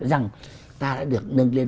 rằng ta đã được nâng lên